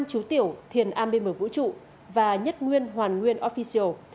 năm chú tiểu thiền am bên bờ vũ trụ và nhất nguyên hoàn nguyên official